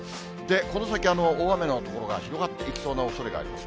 この先、大雨の所が広がっていきそうなおそれがあります。